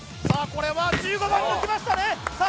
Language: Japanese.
これは１５番抜きましたねさあ